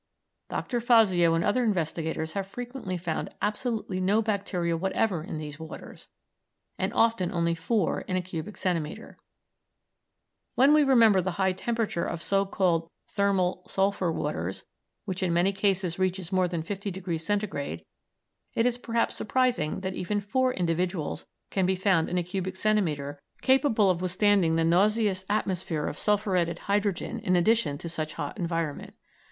Dr. Fazio and other investigators have frequently found absolutely no bacteria whatever in these waters, and often only four in a cubic centimetre. When we remember the high temperature of so called thermal sulphur waters, which in many cases reaches more than fifty degrees Centigrade, it is perhaps surprising that even four individuals can be found in a cubic centimetre capable of withstanding the nauseous atmosphere of sulphuretted hydrogen in addition to such hot environment.